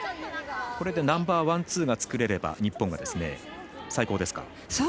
これでナンバーワン、ツーが作れれば日本は最高ですか？